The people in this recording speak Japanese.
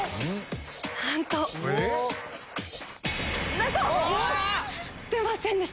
なんと‼出ませんでした。